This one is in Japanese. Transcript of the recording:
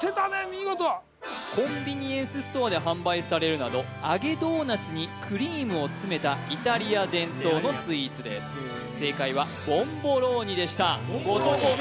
見事コンビニエンスストアで販売されるなど揚げドーナツにクリームをつめたイタリア伝統のスイーツです正解はボンボローニでした後藤弘